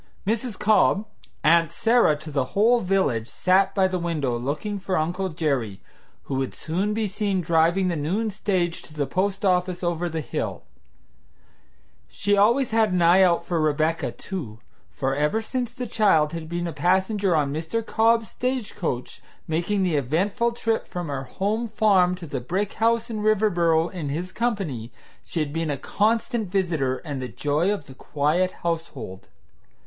Mrs. Cobb, "Aunt Sarah" to the whole village, sat by the window looking for Uncle Jerry, who would soon be seen driving the noon stage to the post office over the hill. She always had an eye out for Rebecca, too, for ever since the child had been a passenger on Mr. Cobb's stagecoach, making the eventful trip from her home farm to the brick house in Riverboro in his company, she had been a constant visitor and the joy of the quiet household.